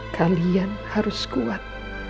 kalian harus kuat